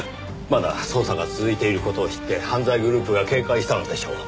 まだ捜査が続いている事を知って犯罪グループが警戒したのでしょう。